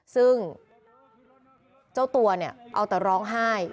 ซึ่งเจ้าตัวเนี่ยเอาแต่ร้องไห้